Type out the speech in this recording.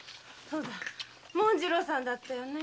そうだ紋次郎さんだったよね。